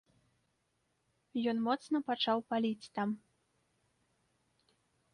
Ён моцна пачаў паліць там.